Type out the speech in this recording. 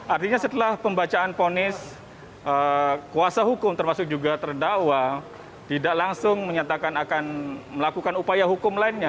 artinya setelah pembacaan ponis kuasa hukum termasuk juga terdakwa tidak langsung menyatakan akan melakukan upaya hukum lainnya